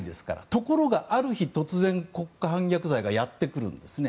ところが、ある日突然国家反逆罪がやってくるんですね。